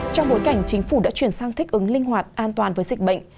trong bối cảnh chính phủ đã chuyển sang thích ứng linh hoạt an toàn với dịch bệnh